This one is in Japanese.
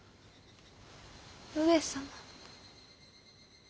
上様。